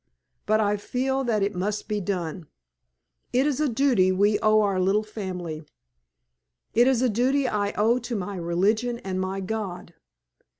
But I feel that it must be done. It is a duty we owe our little family. It is a duty I owe to my religion and my God.